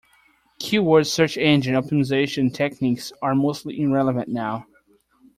Keyword search engine optimization techniques are mostly irrelevant now.